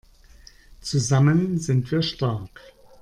Zusammen sind wir stark!